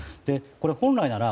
本来なら